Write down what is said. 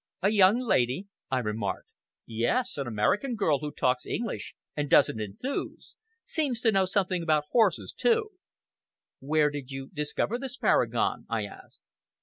"A young lady?" I remarked. "Yes! An American girl who talks English and doesn't enthuse. Seems to know something about horses too!" "Where did you discover this paragon?" I asked.